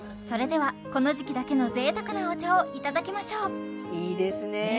それではこの時期だけの贅沢なお茶をいただきましょういいですね